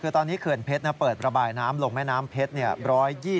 คือตอนนี้เขื่อนเพชรเปิดระบายน้ำลงแม่น้ำเพชร